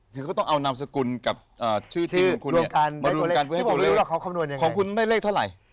คือเขาต้องเอานามสกุลกับชื่อจริงของคุณเนี่ย